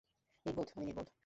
নির্বোধ, আমি নির্বোধ।